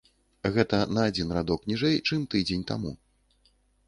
Гэта на адзін радок ніжэй, чым тыдзень таму.